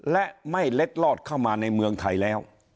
และไม่เล็ดลอดเข้ามาในเมืองไทยแล้ว